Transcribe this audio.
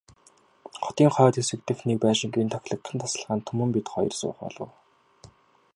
Хотын хойд хэсэг дэх нэг байшингийн тохилогхон тасалгаанд Түмэн бид хоёр суух болов.